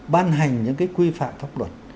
ban hành những cái quy phạm pháp luật